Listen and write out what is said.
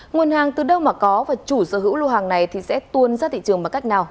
nguồn hàng từ đâu mà có và chủ sở hữu lô hàng này sẽ tuôn ra thị trường bằng cách nào